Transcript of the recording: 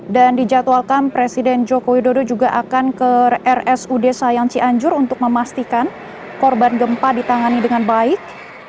dan dijadwalkan presiden joko widodo juga akan ke rsud sayang cianjur untuk memastikan korban gempa ditangani dengan baik